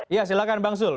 ya silakan bang zulkifli